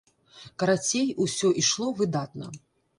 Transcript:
Карацей, усё ішло выдатна.